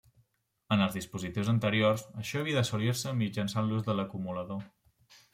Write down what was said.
En els dispositius anteriors, això havia d'assolir-se mitjançant l'ús de l'acumulador.